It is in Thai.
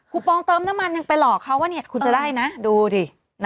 ปองเติมน้ำมันยังไปหลอกเขาว่าคุณจะได้นะดูดิ